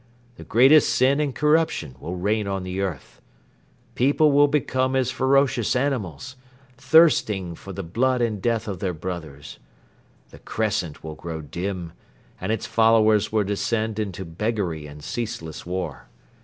The greatest sin and corruption will reign on the earth. People will become as ferocious animals, thirsting for the blood and death of their brothers. The 'Crescent' will grow dim and its followers will descend into beggary and ceaseless war.